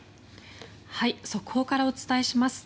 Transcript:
速報からお伝えします。